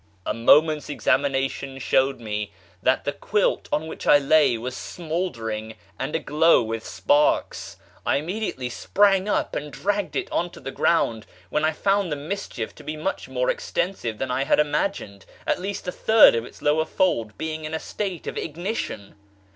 A moment's examination showed me that the quilt on which I lay was smouldering and aglow with sparks. I immediately sprang up and dragged it on to :he ground, when I found the mischief to be much more ex tensive than I had imagined, at least a third of its lower fold being in a state of ignition.